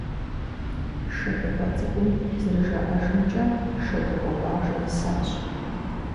«Шэдыкъуэ цӀыкӀум», зэрыжаӀэжымкӀэ, Шэдыкъуэ къуажэ исащ.